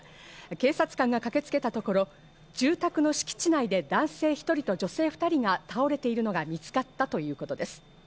警察官が駆けつけたところ、住宅の敷地内で男性１人と女性２人が倒れているのが見つかったということです。